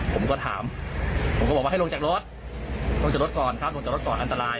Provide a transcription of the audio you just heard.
ผมก็ถามผมก็บอกว่าให้ลงจากรถลงจากรถก่อนครับลงจากรถก่อนอันตราย